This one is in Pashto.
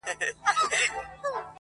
هغه خو زما کره په شپه راغلې نه ده~